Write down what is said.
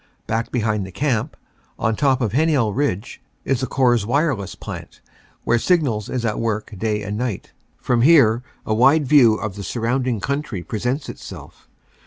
Back behind the camp, on top of Heninel Ridge, is the Corps wireless plant, where Signals is at work day and night From here a wide view of the surrounding country presents itself.